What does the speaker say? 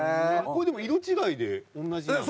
これでも色違いで同じなの？